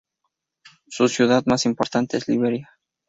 Su ciudad más importante es Liberia.